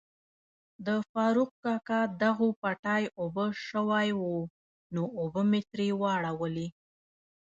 د فاروق کاکا دغو پټی اوبه شوای وو نو اوبه می تري واړولي.